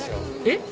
えっ？